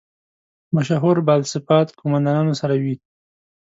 مشهور بالفساد قوماندانانو سره وي.